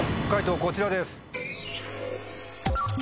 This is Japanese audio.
解答こちらです。